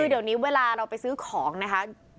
เดี๋ยวนี้เวลาเราไปซื้อของนะคะ